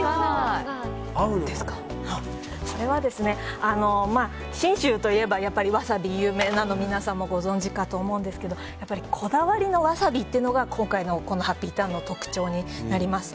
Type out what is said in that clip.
これは信州といえばわさびが有名なのを皆さんご存知かと思うんですけどこだわりのわさびというのが今回のハッピーターンの特徴になります。